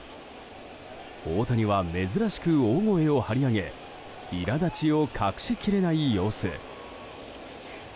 大谷は珍しく大声を張り上げいら立ちを隠しきれない様子。